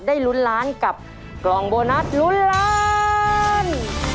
ลุ้นล้านกับกล่องโบนัสลุ้นล้าน